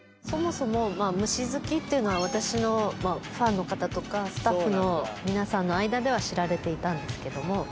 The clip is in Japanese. そもそも虫好きっていうのは私のファンの方とかスタッフの皆さんの間では知られていたんですけども。